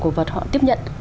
cổ vật họ tiếp nhận